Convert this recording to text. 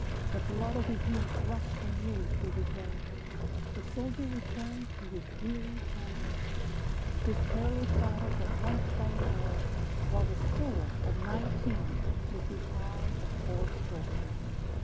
The blood of his youth rushed anew through his veins; The soldier returned to his weary campaigns; His perilous battles at once fighting o'er, While the soul of nineteen lit the eye of four score.